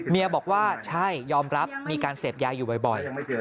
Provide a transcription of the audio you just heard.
บอกว่าใช่ยอมรับมีการเสพยาอยู่บ่อย